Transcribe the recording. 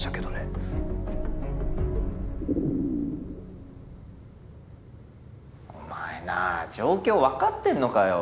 グゥお前な状況分かってんのかよ？